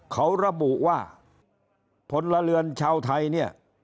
เขาระบุว่าพลเรือนชาวไทยเนี่ย